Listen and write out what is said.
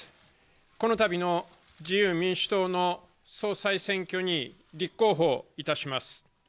このたびの自由民主党の総裁選挙に立候補いたします。